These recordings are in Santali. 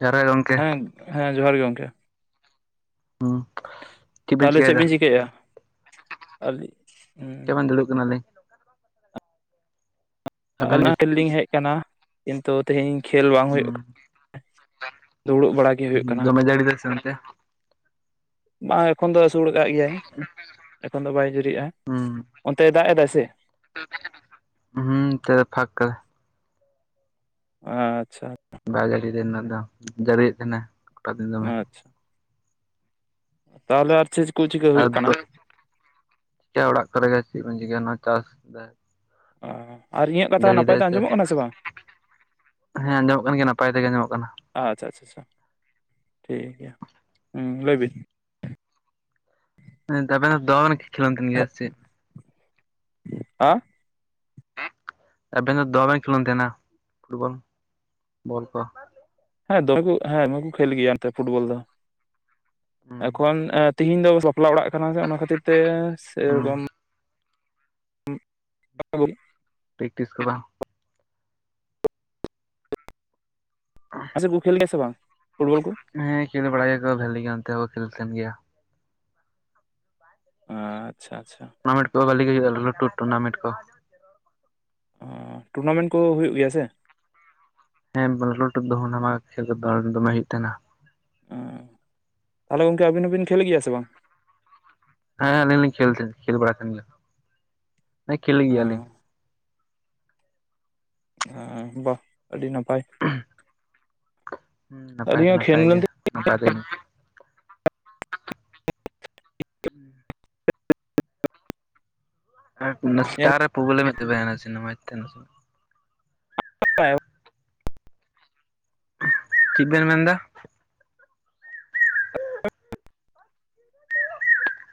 ᱡᱚᱦᱟᱨ ᱜᱮ ᱜᱚᱝᱠᱮ ᱦᱮᱸ ᱦᱮᱸ ᱡᱚᱸᱦᱟᱨ ᱜᱮ ᱜᱚᱢᱠᱮ ᱾ ᱦᱩᱸ ᱵᱮᱱ ᱛᱟᱦᱞᱮ ᱪᱮᱫ ᱪᱤᱠᱟᱹᱭᱮᱫᱟ ᱵᱤᱱ ᱪᱤᱠᱟᱹᱭᱮᱜᱼᱟ? ᱟᱹᱞᱤ ᱪᱮᱦᱚᱸ ᱵᱟᱝ ᱫᱩᱲᱩᱵ ᱠᱟᱱᱟᱞᱮ ᱾ ᱟᱵᱮᱱ ᱜᱮ [inaudible] ᱞᱤᱧ ᱦᱮᱡ ᱠᱟᱱᱟ ᱠᱤᱱᱛᱩ ᱛᱮᱦᱮᱧ ᱠᱷᱮᱞ ᱵᱟᱝ ᱦᱩᱸ ᱦᱩᱭᱩᱜ ᱫᱩᱲᱩᱵ ᱵᱟᱲᱟ ᱜᱮ ᱦᱩᱭᱩᱜ ᱠᱟᱱᱟ ᱾ ᱫᱚᱢᱮ ᱡᱟᱹᱲᱤ ᱫᱟᱭ ᱥᱮ ᱚᱱᱛᱮ ᱵᱟᱝ ᱮᱠᱷᱚᱱ ᱫᱚ ᱟᱹᱥᱩᱲ ᱠᱟᱜ ᱜᱮᱭᱟᱭ ᱾ ᱦᱩᱸ ᱚᱱᱛᱮ ᱫᱟᱜ ᱮᱫᱟᱭ ᱥᱮ ᱦᱩᱸ ᱛᱮᱫ ᱯᱷᱟᱠ ᱾ ᱟᱪᱪᱷᱟ ᱫᱟᱜ ᱡᱟᱹᱲᱤ ᱮᱱᱟ ᱫᱚ ᱫᱟᱜ ᱡᱟᱹᱲᱤᱭᱮᱫ ᱛᱟᱦᱮᱸᱱᱟ ᱠᱚᱴᱟ ᱫᱤᱱ ᱫᱚᱢᱮ᱾ ᱟᱪᱪᱷᱟ ᱛᱟᱦᱚᱞᱮ ᱟᱨ ᱪᱮ ᱟᱹᱣᱨᱤ [unintelligible] ᱚᱲᱟᱜ ᱠᱚᱨᱮ ᱜᱮ ᱪᱮᱫ ᱵᱤᱱ ᱪᱤᱠᱟᱹᱭᱟ ᱚᱱᱟ ᱪᱟᱥ ᱠᱚᱨᱮ? ᱚ ᱡᱟᱹᱲᱤᱫᱟᱭ ᱥᱮ ᱦᱮᱸ ᱟᱸᱡᱚᱢᱚᱜ ᱠᱟᱱ ᱜᱮᱭᱟ ᱱᱟᱯᱟᱭ ᱛᱮᱜᱮ ᱟᱸᱡᱚᱢᱚᱜ ᱠᱟᱱᱟ ᱾ ᱟᱪᱪᱷᱟ ᱪᱷᱟ ᱪᱷᱟ ᱴᱷᱤᱠ ᱜᱮᱭᱟ ᱞᱟᱹᱭ ᱵᱤᱱ [unintelligible] ᱟᱸ ᱮᱵᱮᱱ ᱫᱚ ᱫᱚᱢᱮᱭ ᱠᱷᱮᱞ ᱚᱱ ᱛᱟᱦᱮᱸᱱᱟ ᱯᱷᱩᱴᱵᱚᱞ ᱵᱚᱞ ᱠᱚ ᱾ ᱦᱮᱸ ᱫᱚᱢᱮ ᱠᱚ ᱦᱮᱸ ᱫᱚᱢᱮ ᱠᱚ ᱠᱷᱮᱞ ᱜᱮᱭᱟ ᱱᱚᱛᱮ ᱯᱷᱩᱴᱵᱚᱞ, ᱫᱚ ᱦᱩᱸ ᱮᱠᱷᱚᱱ ᱮ ᱛᱮᱤᱦᱤᱧ ᱫᱚ ᱵᱟᱯᱞᱟ ᱚᱲᱟᱜ ᱠᱟᱱᱟ ᱥᱮ ᱚᱱᱟ ᱠᱷᱟᱹᱛᱤᱨ ᱛᱮ ᱦᱩᱸ ᱥᱮᱨᱚᱠᱚᱢ [inaudible] ᱯᱮᱠᱴᱤᱥ ᱠᱚᱫᱚ ᱾ ᱟᱪᱪᱷᱟ ᱠᱚ ᱠᱷᱮᱞ ᱜᱮᱭᱟ ᱥᱮ ᱵᱟᱝ ᱯᱷᱩᱴᱵᱚᱞ ᱠᱚ? ᱦᱮᱸ ᱠᱷᱮᱞ ᱵᱟᱲ ᱭᱟᱠᱚ ᱵᱷᱟᱹᱞᱤ ᱜᱮᱭᱟ, ᱱᱛᱮ ᱦᱚᱸ ᱠᱷᱮᱞ ᱛᱟᱦᱮᱱ ᱜᱮᱭᱟ᱾ ᱟᱪᱪᱷᱟ - ᱟᱪᱪᱷᱟ ᱴᱩᱱᱟᱢᱮᱴ ᱫᱚ ᱵᱷᱟᱞᱮ ᱜᱮ ᱦᱩᱭᱩᱜ-ᱟ᱾ ᱞᱩᱴᱩᱴ ᱴᱩᱱᱟ ᱢᱮᱴ ᱠᱚ ᱚ ᱴᱩᱨᱱᱟᱢᱮᱱ ᱠᱚ ᱦᱩᱭᱩᱜ ᱜᱮᱭᱟ ᱥᱮ᱾ [unintelligible] ᱠᱷᱮᱞ ᱫᱚ ᱫᱚᱢᱮ ᱦᱩᱭᱩᱜ ᱛᱟᱦᱮᱱᱟ᱾ ᱚ ᱛᱟᱦᱚᱞᱮ ᱜᱚᱝᱠᱮ ᱟᱹᱵᱤᱱ ᱦᱚᱸᱵᱤᱱ ᱠᱷᱮᱞ ᱜᱮᱭᱟ ᱥᱮ ᱵᱟᱝ? ᱦᱮᱸ ᱟᱹᱞᱤᱧ ᱞᱤᱧ ᱠᱷᱮᱞ ᱛᱟᱦᱮ ᱠᱷᱮᱞ ᱵᱟᱲᱟ ᱛᱟᱦᱮ ᱜᱮᱭᱟ ᱦᱮᱸ ᱠᱷᱮᱞ ᱚ ᱜᱮᱭᱟᱞᱤᱧ᱾ ᱮ ᱵᱟ! ᱟᱹᱰᱤ ᱱᱟᱯᱟᱭ ᱦᱮᱸ ᱱᱟᱯᱟᱭ ᱟᱹᱞᱤᱧ ᱫᱚ ᱦᱚᱸ ᱠᱷᱮᱞ ᱱᱟᱯᱟᱭ ᱜᱮ, ᱢᱮᱱᱛᱮ [unintelligible] ᱱᱟᱯᱟᱭ ᱫᱚ ᱦᱮᱸ ᱮᱥᱴᱟᱨ ᱨᱮ ᱯᱚᱵᱞᱮᱢ [unintelligible] ᱥᱤᱱᱮᱢᱟ [unintelligible] ᱛᱟᱦᱮ ᱥᱮ [inaudible] ᱪᱮᱫ ᱵᱮᱱ ᱢᱮᱱᱫᱟ᱾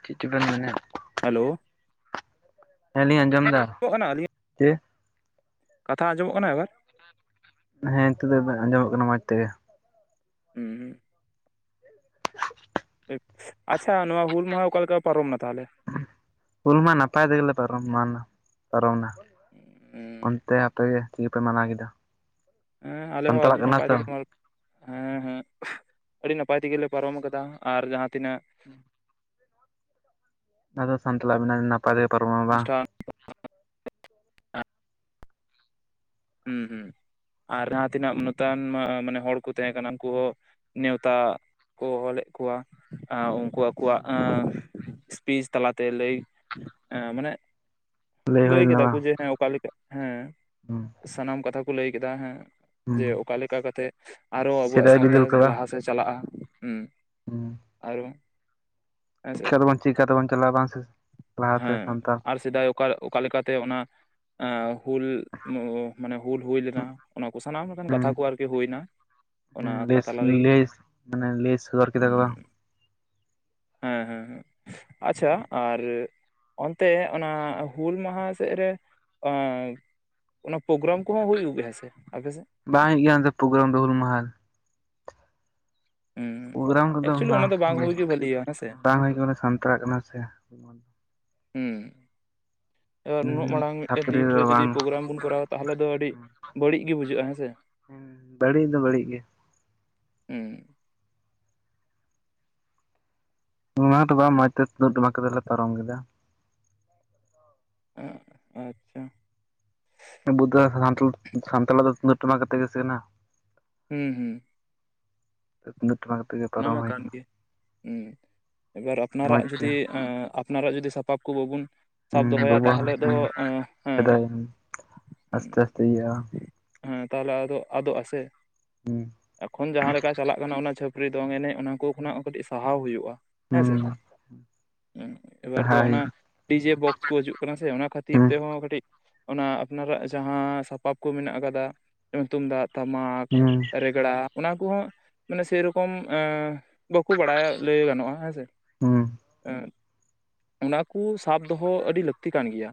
ᱪᱤᱫᱪᱳ ᱵᱮᱱ ᱢᱮᱱᱟᱫ᱾ ᱦᱮᱞᱳ ᱦᱮ ᱞᱤᱧ ᱟᱸᱡᱚᱢ ᱫᱟ᱾ ᱠᱚ ᱠᱟᱱᱟ ᱟᱞ ᱪᱮ ᱠᱟᱛᱷᱟ ᱟᱸᱡᱚᱢᱚᱜ ᱠᱟᱱᱟ ᱮᱵᱮᱨ ᱦᱮᱸ ᱱᱤᱛᱚᱜ ᱫᱚ ᱟᱸᱡᱚᱢᱚᱜ ᱠᱟᱱᱟ ᱢᱚᱸᱡᱽ ᱛᱮᱜᱮ᱾ ᱦᱩᱸ- ᱦᱩᱸ ᱟᱪᱪᱷᱟ ᱱᱚᱣᱟ ᱦᱩᱞ ᱢᱟᱦᱟ ᱚᱠᱟᱞᱮᱠᱟ ᱯᱟᱨᱚᱢᱮᱱᱟ ᱛᱟᱦᱚᱞᱮ? ᱦᱩᱞ ᱢᱟ ᱱᱟᱯᱟᱭ ᱛᱮᱜᱮᱞᱮ ᱯᱟᱨᱚᱢ ᱮᱢᱟᱱ ᱱᱟ ᱯᱟᱨᱚᱢ ᱱᱟ᱾ ᱦᱩᱸ ᱚᱱᱛᱮ ᱟᱯᱮᱜ ᱜᱮ ᱛᱤᱠᱟᱹ ᱜᱮ ᱯᱮ ᱢᱟᱱᱟᱣ ᱠᱮᱫᱟ᱾ ᱦᱮᱸ ᱟᱞᱮ ᱦᱚᱸ ᱥᱟᱱᱛᱟᱲᱟᱜ ᱟᱹᱰᱤ ᱠᱟᱱᱟ ᱱᱟᱯᱟᱭ ᱛᱚ ᱛᱮᱜᱮ ᱢ ᱦᱮᱸ- ᱦᱮᱸ ᱟᱹᱰᱤ ᱱᱟᱯᱟᱭ ᱛᱮᱜᱮᱞᱮ ᱯᱟᱨᱚᱢ ᱠᱟᱫᱟ, ᱟᱨ ᱡᱟᱦᱟᱸ ᱛᱤᱱᱟᱹᱜ [inaudible] ᱟᱫᱚ ᱥᱟᱱᱛᱟᱞᱟ ᱟᱹᱤᱱᱟ ᱱᱟᱯᱟᱭ ᱛᱮ ᱯᱟᱨᱚᱢ ᱵᱟᱝ᱾ ᱚᱱᱩᱥᱴᱷᱟᱱ ᱦᱩᱸ ᱦᱩᱸ ᱟᱨ ᱡᱟᱦᱟᱸ ᱛᱤᱱᱟᱹᱜ ᱱᱚᱛᱟᱱ ᱢᱟ ᱢᱟᱱᱮ ᱦᱚᱲ ᱠᱚ ᱛᱟᱦᱮᱸ ᱠᱟᱱᱟ ᱩᱱᱠᱩ ᱦᱚᱸ᱾ ᱱᱮᱣᱛᱟ ᱠᱚ ᱚ-ᱟᱞᱮᱫ ᱠᱚᱣᱟ-ᱟ ᱩᱱᱠᱩ ᱠᱚᱣᱟᱜᱱ ᱮ ᱮᱥᱯᱤᱥ ᱛᱟᱞᱟᱛᱮ ᱞᱟᱹᱭ ᱮ ᱢᱟᱱᱮ ᱞᱟᱹᱭ ᱠᱮᱫᱟ ᱠᱚ ᱡᱮ ᱦᱮᱸ ᱚᱠᱟᱞᱮᱠᱟ ᱦᱮᱸ ᱦᱚᱸ ᱥᱟᱱᱟᱢ ᱠᱟᱛᱷᱟ ᱠᱚ ᱞᱟᱹᱭ ᱠᱮᱫᱟ᱾ ᱦᱮᱸ ᱡᱮ ᱚᱠᱟ ᱞᱮᱠᱟ ᱠᱟᱛᱮᱜ ᱟᱨᱚ ᱟᱵᱚᱣᱟᱜ ᱥᱮᱫᱟᱭ ᱥᱟᱶᱛᱟ ᱵᱤᱫᱟᱹᱞ ᱠᱚ ᱵᱟᱝ ᱞᱟᱦᱟ ᱥᱮ ᱪᱟᱞᱟᱜᱼᱟ᱾ ᱦᱩᱸ ᱦᱩᱸ [unintelligible] ᱟᱨᱚ ᱦᱮᱸᱥᱮ ᱪᱤᱠᱟ ᱫᱚᱵᱚᱱ ᱪᱤᱠᱠᱟᱛᱮᱵᱚᱱ ᱪᱟᱞᱟᱜᱼᱟ ᱵᱟᱝᱥᱮ ᱞᱟᱦᱟᱛᱮ ᱦᱮᱸ ᱥᱟᱱᱛᱟᱬ᱾ ᱟᱨ ᱥᱮᱫᱟᱭ ᱚᱠᱟ ᱚᱠᱟ ᱞᱮᱠᱟᱛᱮ ᱚᱱᱟ ᱮ ᱦᱩᱞ ᱩᱚ ᱢᱟᱱᱮ ᱦᱩᱞ ᱦᱩᱭ ᱞᱮᱱᱟ ᱚᱱᱟ ᱠᱚ ᱥᱟᱱᱟᱢ ᱨᱮᱱ ᱠᱟᱛᱷᱟ ᱠᱚ ᱟᱨᱠᱤ ᱦᱩᱭᱱᱟ᱾ ᱚᱱᱟ ᱦᱸ ᱟᱠᱷᱲᱟ ᱞᱮᱥ ᱛᱟᱞᱟ ᱨᱮᱜᱮ ᱞᱮᱥ ᱢᱟᱱᱮ ᱞᱟᱭ ᱥᱚᱫᱚᱨᱠᱮᱫᱟ-ᱠᱚ᱾ ᱦᱮᱸ- ᱦᱮᱸ - ᱦᱮᱸ ᱟᱪᱪᱷᱟ ᱟᱨ ᱚᱱᱛᱮ ᱚᱱᱟ ᱦᱩᱞ ᱢᱟᱦᱟ ᱥᱮᱫ ᱨᱮ ᱮᱸ ᱚᱱᱟ ᱯᱨᱳᱜᱨᱟᱢ ᱠᱚᱦᱚᱸ ᱦᱩᱭᱩᱜ ᱜᱮᱭᱟ? ᱥᱮ ᱟᱯᱮᱥᱮᱫ᱾ ᱵᱟᱝ ᱦᱩᱭᱩᱜ ᱜᱮᱭᱟ ᱫᱚ ᱯᱨᱳᱜᱨᱟᱢ ᱫᱚ ᱦᱩᱞ ᱢᱟᱦᱟᱞ ᱦᱩᱸ ᱯᱨᱳᱜᱨᱟᱢ ᱠᱚᱫᱚ ᱮᱠᱪᱩᱭᱮᱞᱤ ᱚᱱᱟ ᱵᱟᱝ ᱫᱚ ᱜᱮ ᱦᱩᱭ ᱵᱷᱟᱹᱞᱤᱭᱟ ᱦᱮᱸᱥᱮ ᱵᱟᱝ ᱦᱩᱭ ᱠᱟᱱᱟ ᱥᱟᱱᱛᱟᱲᱟᱜ ᱠᱟᱱᱟ ᱥᱮ᱾ ᱦᱮᱸ ᱮᱵᱟᱨ ᱱᱩᱱᱟᱹᱜ ᱢᱟᱲᱟᱝ ᱢᱤᱫᱴᱮᱱ ᱪᱷᱟᱹᱯᱨᱤ ᱫᱤᱱ ᱨᱮ ᱫᱚ ᱡᱩᱚᱫᱤ ᱵᱟᱝ ᱯᱨᱳᱜᱨᱟᱢ ᱵᱚᱱ ᱠᱚᱨᱟᱣ ᱼᱟ ᱾ᱛᱟᱦᱚᱞᱮ ᱫᱚ ᱟᱹᱰᱤ ᱵᱟᱹᱲᱤᱡ ᱜᱮ ᱵᱩᱡᱷᱟᱹᱜᱼᱟ ᱦᱮᱸ ᱥᱮ ᱾ ᱵᱟᱹᱲᱤᱡ ᱫᱚ ᱵᱟᱹᱲᱤᱡ ᱜᱮ ᱾ ᱦᱩᱸ ᱾ ᱚᱱᱟ ᱛᱚ ᱵᱟᱝ ᱢᱚᱸᱡᱽ ᱛᱮ ᱛᱩᱢᱫᱟᱜ ᱴᱟᱢᱟᱠ ᱠᱚᱛᱮ ᱞᱮ ᱯᱟᱨᱚᱢ ᱠᱮᱫᱟ ᱾ ᱮ ᱟᱪᱪᱷᱟ ᱾ ᱟᱵᱩ ᱫᱚ ᱥᱟᱱᱛᱟᱞ ᱥᱟᱱᱛᱟᱞᱟᱜ ᱫᱚ ᱴᱟᱢᱟᱠ ᱟᱛᱮ ᱜᱮ ᱥᱮ ᱠᱟᱱᱟ ᱾ ᱦᱩᱸ ᱦᱩᱸ ᱾ ᱛᱩᱝᱫᱟᱜ ᱴᱟᱢᱟᱠ ᱟᱛᱮ ᱜᱮ ᱚᱱᱟ ᱯᱟᱨᱚᱢ ᱢᱟ ᱦᱩᱭ ᱠᱟᱱ ᱠᱟᱱᱟ ᱜᱮᱭᱟ, ᱦᱩᱸ ᱮᱵᱟᱨ ᱟᱯᱱᱟᱨᱟᱜ ᱢᱚᱸᱡᱽ ᱜᱮ ᱡᱩᱫᱤ ᱟᱸ ᱟᱯᱱᱟᱨᱟᱜ ᱡᱩᱫᱤ ᱥᱟᱯᱟᱵ ᱠᱚ ᱵᱟᱵᱚᱱ ᱥᱟᱵ ᱦᱩᱸ ᱫᱚᱦᱚᱭᱟ ᱵᱟᱵᱟ ᱛᱟᱦᱚᱞᱮ ᱫᱚ ᱦᱩᱸ ᱮᱸ ᱦᱮᱸ ᱥᱮᱫᱟᱭ ᱟᱥᱛᱮ ᱟᱥᱛᱮ ᱤᱭᱟᱹᱜᱼᱟ ᱦᱮᱸ ᱛᱟᱦᱞᱮ ᱟᱫᱚ ᱟᱫᱚᱜ ᱟᱥᱮ ᱦᱩᱸ ᱮᱠᱷᱚᱱ ᱡᱟᱦᱟᱸ ᱞᱮᱠᱟ ᱪᱟᱞᱟᱜ ᱠᱟᱱᱟ ᱚᱱᱟ ᱪᱷᱟᱹᱯ ᱯᱨᱤ ᱫᱚᱝ ᱮᱱᱮᱡ ᱚᱱᱟ ᱠᱚ ᱠᱷᱚᱱᱟᱜ ᱦᱚᱸ ᱠᱟᱹᱴᱤᱡ ᱥᱟᱦᱟᱣ ᱦᱩᱭᱩᱜᱼᱟ ᱦᱮᱸ ᱥᱮ ᱦᱩᱸ ᱾ ᱮᱵᱟᱨ ᱫᱚ ᱞᱟᱦᱟ ᱚᱱᱟ ᱦᱩᱭᱩᱜᱼᱟ ᱰᱤᱡᱮ ᱵᱚᱠᱥ ᱠᱚ ᱦᱤᱡᱩᱜ ᱠᱟᱱᱟ ᱥᱮ ᱚᱱᱟ ᱥᱟᱱᱛᱮ ᱡᱟᱦᱟᱸ ᱠᱷᱟᱹᱛᱤᱨ ᱛᱮᱦᱚᱸ ᱠᱟᱹᱴᱤᱡ ᱚᱱᱟ ᱟᱯᱱᱟᱨᱟᱜ ᱡᱟᱦᱟᱸ ᱥᱟᱯᱟᱵ ᱠᱚ ᱢᱮᱱᱟᱜ ᱟᱠᱟᱫᱟ ᱡᱮᱢᱚᱱ ᱛᱩᱢᱫᱟᱜ ᱴᱟᱢᱟᱠ ᱨᱮᱜ ᱜᱮᱲᱟ ᱚᱱᱟ ᱠᱚᱦᱚᱸ ᱢᱟᱱᱮ ᱥᱮᱨᱚᱠᱚᱢ ᱮᱸ ᱵᱟᱠᱚ ᱵᱟᱲᱟᱭᱟ ᱞᱟᱹᱭ ᱜᱟᱱᱚᱜᱼᱟ ᱦᱮᱸᱥᱮ ᱾ ᱚᱱᱟ ᱠᱚ ᱥᱟᱵ ᱫᱚᱦᱚ ᱟᱹᱰᱤ ᱞᱟᱹᱠᱛᱤ ᱠᱟᱱ ᱜᱮᱭᱟ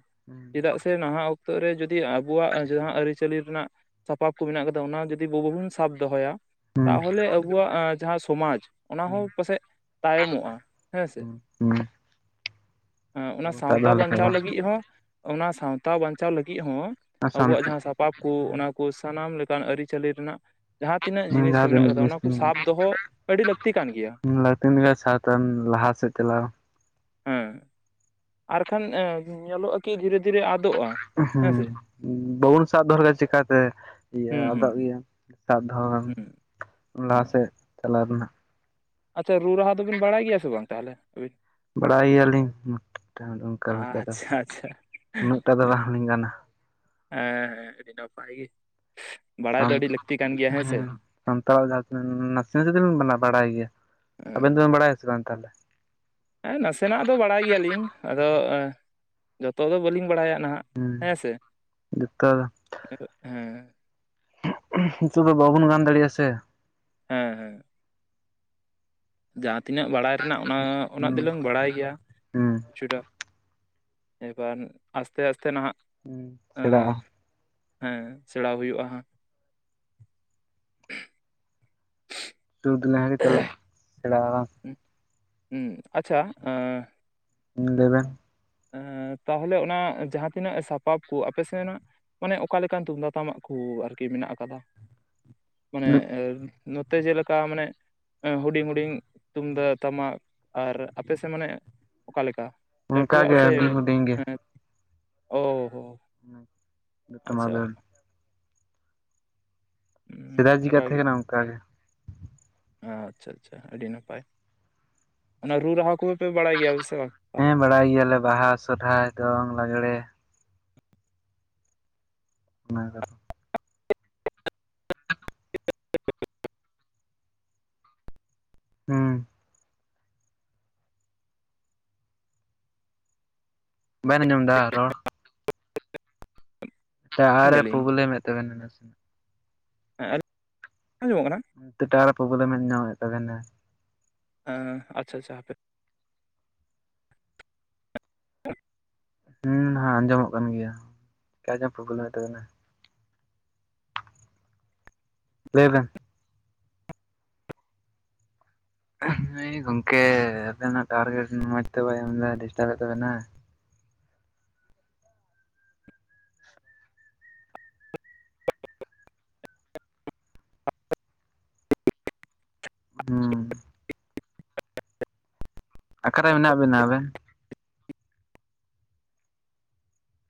ᱪᱮᱫᱟᱜ ᱥᱮ ᱱᱟᱦᱟᱜ ᱛᱚ ᱨᱮ ᱡᱩᱫᱤ ᱟᱵᱚᱣᱟᱜ ᱡᱟᱦᱟᱸ ᱟᱹᱨᱤᱪᱟᱹᱞᱤ ᱨᱮᱱᱟᱜ ᱥᱟᱯᱟᱯ ᱠᱚ ᱢᱮᱱᱟᱜ ᱠᱟᱫᱟ ᱚᱱᱟ ᱡᱩᱫᱤ ᱵᱟ ᱵᱟᱵᱚᱱ ᱥᱟᱵ ᱫᱚᱦᱚᱭᱟ ᱛᱟᱦᱚᱞᱮ ᱟᱵᱚᱣᱟᱜ ᱡᱟᱦᱟᱸ ᱥᱚᱢᱟᱡᱽ ᱚᱱᱟ ᱦᱚᱸ ᱯᱟᱥᱮᱡ ᱛᱟᱭᱚᱢᱚᱜᱼᱟ ᱦᱮᱸ ᱥᱮ ᱾ ᱦᱮᱸ ᱚᱱᱟ ᱥᱟᱶᱛᱟ ᱵᱟᱧᱪᱟᱣ ᱞᱟᱹᱜᱤᱫ ᱦᱚᱸ, ᱚᱱᱟ ᱥᱟᱶᱛᱟ ᱵᱟᱧᱪᱟᱣ ᱞᱟᱹᱜᱤᱫ ᱦᱚᱸ ᱟᱵᱚᱣᱟᱜ ᱡᱟᱦᱟᱸ ᱥᱟᱯᱟᱵ ᱠᱚ ᱚᱱᱟ ᱠᱚ ᱥᱟᱱᱟᱢ ᱞᱮᱠᱟᱱ ᱟᱹᱨᱤᱪᱟᱹᱞᱤ ᱨᱮᱱᱟᱜ ᱡᱟᱦᱟᱸ ᱛᱤᱱᱟᱹᱜ ᱡᱤᱱᱤᱥ ᱠᱚ ᱢᱮᱱᱟᱜ ᱠᱟᱫᱟ ᱚᱱᱟ ᱠᱚ ᱥᱟᱵ ᱫᱚᱦᱚ ᱟᱹᱰᱤ ᱞᱟᱹᱠᱛᱤ ᱠᱟᱱ ᱜᱮᱭᱟ [inaudible] ᱞᱟᱹᱛᱤᱱ ᱜᱮ ᱥᱟᱶᱛᱮ ᱞᱟᱦᱟ ᱥᱮᱫ ᱪᱟᱞᱟᱣ ᱾ ᱦᱮᱸ ᱾ ᱟᱨᱠᱷᱟᱱ ᱧᱮᱞᱚᱜᱼᱟ ᱠᱤ ᱫᱷᱤᱨᱮ ᱫᱷᱤᱨᱮ ᱟᱫᱚᱜᱼᱟ ᱾ ᱦᱮᱸ ᱵᱟᱵᱩᱱ ᱥᱟᱵ ᱫᱚᱦᱚ ᱞᱮᱠᱷᱟᱱ ᱪᱤᱠᱟᱛᱮ ᱦᱩᱸ ᱤᱭᱟᱹᱜ-ᱟ? ᱦᱩᱸ ᱟᱫᱚᱜ ᱜᱮᱭᱟ ᱾ ᱥᱟᱵ ᱫᱚᱦᱚ ᱦᱩᱸ ᱞᱟᱦᱟ ᱦᱩᱸ ᱥᱮᱫ ᱪᱟᱞᱟᱣ ᱨᱮᱱᱟᱜ ᱟᱪᱪᱷᱟ ᱨᱩ ᱨᱟᱦᱟ ᱫᱚᱵᱤᱱ ᱵᱟᱲᱟᱭ ᱜᱮᱭᱟ ᱥᱮ ᱵᱟᱝ ᱛᱟᱦᱚᱞᱮ ᱟᱵᱤᱱ? ᱵᱟᱲᱟᱭ ᱜᱮᱭᱟᱞᱤᱧ ᱩᱱᱟᱹᱜ [unintelligible] ᱚᱱᱠᱟ ᱞᱮᱠᱟ ᱫᱚ ᱟᱪᱪᱷᱟ ᱟᱪᱪᱷᱟ ᱩᱱᱟᱹᱜ ᱴᱟ ᱫᱚ ᱵᱟᱝᱞᱤᱧ ᱜᱟᱱᱟ ᱾ ᱦᱮᱸ ᱦᱮᱸ ᱟᱹᱰᱤ ᱱᱟᱯᱟᱭ ᱜᱮ ᱵᱟᱲᱟᱭ ᱫᱚ ᱟᱹᱰᱤ ᱞᱟᱹᱠᱛᱤ ᱠᱟᱱ ᱜᱮᱭᱟ ᱦᱮᱸ ᱥᱮ ᱾ ᱥᱟᱱᱛᱟᱲᱟᱜ ᱡᱟᱦᱟᱸ ᱛᱤᱱᱟᱹᱜ ᱱᱟᱥᱮ ᱱᱟᱥᱮ ᱫᱩᱞᱤᱧ ᱵᱟᱱᱟ ᱵᱟᱲᱟᱭ ᱜᱮᱭᱟ ᱾ ᱟᱵᱮᱱ ᱦᱮᱸ ᱫᱚᱵᱮᱱ ᱵᱟᱲᱟᱭᱟ ᱥᱮ ᱵᱟᱝ ᱛᱟᱦᱚᱞᱮ? ᱦᱮᱸ ᱱᱟᱥᱮᱱᱟᱜ ᱫᱚ ᱵᱟᱲᱟᱭ ᱜᱮᱭᱟᱞᱤᱧ, ᱟᱫᱚ ᱡᱚᱛᱚ ᱫᱚ ᱵᱟᱹᱞᱤᱧ ᱵᱟᱲᱟᱭᱟ ᱱᱟᱦᱟᱜ ᱾ ᱦᱩᱸ ᱦᱮᱸᱥᱮ, ᱡᱚᱛᱚ ᱦᱮᱸ ᱾ ᱛᱚᱵᱮ ᱵᱟᱵᱚᱱ ᱜᱟᱱ ᱫᱟᱲᱮᱜᱼᱟ ᱥᱮ ᱾ ᱦᱮᱸ ᱦᱮᱸ᱾ ᱡᱟᱦᱟᱸ ᱛᱤᱱᱟᱹᱜ ᱵᱟᱲᱟᱭ ᱨᱮᱱᱟᱜ ᱚᱱᱟ ᱩᱱᱟᱹᱜ ᱦᱩᱸ ᱫᱚᱞᱟᱝ ᱵᱟᱲᱟᱭ ᱜᱮᱭᱟ ᱦᱩᱸ ᱾ ᱠᱤᱪᱷᱩᱴᱟ, ᱮᱵᱟᱨ ᱟᱥᱛᱮ ᱟᱥᱛᱮ ᱱᱟᱦᱟᱜ ᱦᱩᱸ ᱥᱮᱬᱟᱜᱼᱟ ᱦᱮᱸ ᱥᱮᱬᱟ ᱦᱩᱭᱩᱜ-ᱟ ᱦᱟᱸᱜ ᱾ [inaudible] ᱛᱩᱫ ᱱᱟᱦᱮᱞ ᱜᱮ ᱛᱮᱞᱟ ᱥᱮᱬᱟᱻ ᱩᱸ ᱩᱸ, ᱟᱪᱪᱷᱟ ᱞᱟ. ᱭ ᱵᱮᱱ ᱾ ᱮᱸ ᱛᱟᱦᱚᱞᱮ ᱚᱱᱟ ᱡᱟᱦᱟᱸ ᱛᱤᱱᱟᱹᱜ ᱥᱟᱯᱟᱵ ᱠᱚ ᱟᱯᱮ ᱥᱮᱱᱟᱜ ᱢᱟᱱᱮ ᱚᱠᱟ ᱞᱮᱠᱟᱱ ᱛᱩᱢᱫᱟᱜ ᱴᱟᱢᱟᱜ ᱠᱚ ᱟᱨᱠᱤ ᱢᱮᱱᱟᱜ ᱟᱠᱟᱫᱟ? ᱢᱟᱱᱮ ᱱᱚᱛᱮ ᱡᱮ ᱞᱮᱠᱟ ᱢᱟᱱᱮ ᱦᱩᱰᱤᱧ ᱦᱩᱰᱤᱧ ᱛᱩᱢᱫᱟᱜ ᱴᱟᱢᱟᱠ ᱾ ᱟᱨ ᱟᱯᱮ ᱥᱮᱫ ᱢᱟᱱᱮ ᱚᱠᱟ ᱞᱮᱠᱟ? ᱚᱱᱠᱟ ᱞᱟᱴᱩᱣᱟᱜ ᱜᱮ ᱦᱩᱰᱤᱧ ᱥᱮ, ᱦᱩᱰᱤᱧ ᱜᱮ ᱚᱻ ᱦᱚ ᱾ ᱦᱮᱸ [unintelligible] ᱥᱮᱫᱟᱭ ᱡᱤᱠᱟ ᱚᱱᱠᱟ ᱛᱟᱦᱮᱸ ᱜᱮ ᱠᱟᱱᱟ ᱚᱱᱠᱟᱜᱮ। ᱟᱪᱪᱷᱟ ᱟᱪᱪᱷᱟ ᱟᱹᱰᱤ ᱱᱟᱯᱟᱭ ᱚᱱᱟ ᱨᱩ ᱨᱟᱦᱟ ᱠᱚ ᱦᱮᱸ ᱵᱟᱲᱟᱭ ᱜᱮᱭᱟᱞᱮ ᱵᱟᱦᱟ, ᱥᱚᱨᱦᱟᱭ, ᱫᱚᱝ, ᱞᱟᱜᱽᱲᱮ ᱾ ᱚᱱᱟ ᱠᱚᱫᱚ ᱦᱩᱸ ᱵᱟᱧ ᱟᱸᱡᱚᱢ ᱮᱫᱟ ᱨᱚᱲ ᱴᱟᱣᱟᱨᱮ ᱢᱮᱱᱫᱟᱞᱤᱧ ᱯᱨᱚᱵᱞᱮᱢ ᱮᱫ ᱛᱟᱵᱮᱱᱟ ᱱᱟᱥᱮᱱᱟᱜ ᱾ ᱦᱮᱸ ᱟᱸᱡᱚᱢᱚᱜ ᱠᱟᱱᱟ ᱾ ᱚᱱᱛᱮ ᱴᱟᱣᱟᱨᱮ ᱯᱨᱚᱵᱞᱮᱢᱮ ᱧᱟᱢᱮᱫ ᱛᱟᱵᱤᱱᱟ ᱾ ᱦᱮᱸ ᱟᱪᱪᱷᱟ ᱟᱪᱪᱷᱟ ᱦᱟᱯᱮ [inaudible] ᱦᱮᱸ ᱦᱟᱸ ᱟᱸᱡᱚᱢᱚᱜ ᱠᱟᱱ ᱜᱮᱭᱟ ᱪᱮᱠᱟᱪᱚ ᱯᱨᱚᱵᱞᱮᱢᱮᱫ ᱛᱟᱵᱤᱱᱟ ᱾ ᱞᱟᱹᱭ ᱵᱮᱱ ᱦᱮᱸ ᱜᱚᱝᱠᱮ ᱟᱵᱮᱱᱟᱜ ᱴᱟᱣᱟᱨ ᱜᱮ ᱢᱚᱸᱡᱽ ᱛᱮ ᱵᱟᱭ ᱮᱢᱫᱟ ᱰᱤᱥᱴᱟᱵᱮᱫ ᱛᱟᱵᱮᱱᱟ। ᱦᱩᱸ ᱚᱠᱟᱨᱮ ᱢᱮᱱᱟᱜ ᱵᱮᱱᱟ ᱟᱵᱮᱱ?